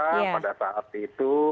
pada saat itu